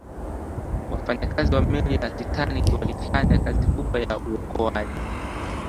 wafanyakazi wa meli ya titanic walifanya kazi kubwa ya uokoaji